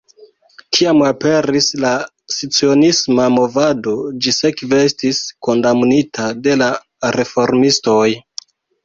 Kiam aperis la cionisma movado, ĝi sekve estis kondamnita de la reformistoj.